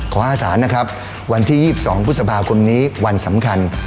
ขอให้ศาลนะครับวันที่๒๒พฤษภาคมนี้วันสำคัญ